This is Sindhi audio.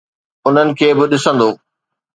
انهن کي به ڏسندو.